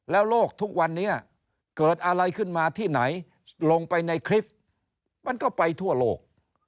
แล้วโลกทุกวันนี้เกิดอะไรขึ้นมาที่ไหนลงไปในคลิปมันก็ไปทั่วโลก